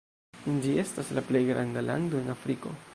Ĝi estas la plej granda lando en Afriko.